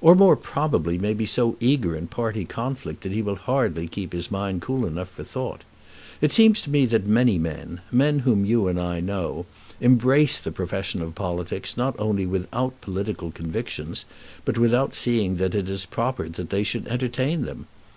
"Or more probably, may be so eager in party conflict that he will hardly keep his mind cool enough for thought. It seems to me that many men, men whom you and I know, embrace the profession of politics not only without political convictions, but without seeing that it is proper that they should entertain them.